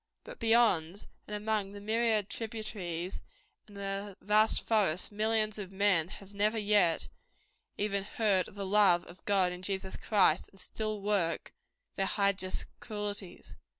But beyond, and among the myriad tributaries and the vast forests millions of men have never yet even heard of the love of God in Jesus Christ, and still work their hideous cruelties.